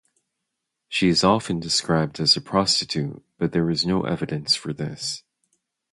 She is often described as a prostitute, but there is no evidence for this.